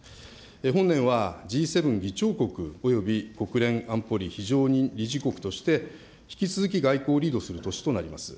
本年はＧ７議長国および国連安保理非常任理事国として、引き続き外交をリードする年となります。